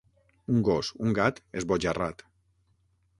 Un gos, un gat, esbojarrat.